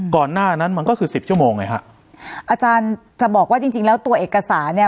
ก่อนหน้านั้นมันก็คือสิบชั่วโมงไงฮะอาจารย์จะบอกว่าจริงจริงแล้วตัวเอกสารเนี้ย